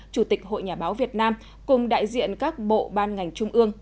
chủ tịch hội nhà báo việt nam cùng đại diện các bộ ban ngành trung ương